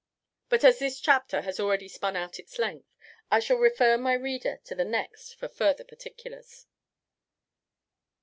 But as this chapter has already spun out its length, I shall refer my reader to the next for further particulars.